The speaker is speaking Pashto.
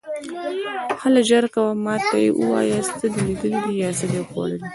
هله ژر کوه، ما ته یې ووایه، څه دې لیدلي یا څه دې خوړلي.